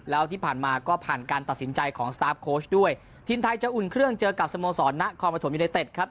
แล้วที่ผ่านมาก็ผ่านการตัดสินใจของสตาร์ฟโค้ชด้วยทีมไทยจะอุ่นเครื่องเจอกับสโมสรนครปฐมยูเนเต็ดครับ